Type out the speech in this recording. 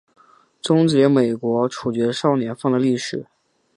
终结美国处决少年犯的历史。